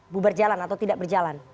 berjalan atau tidak berjalan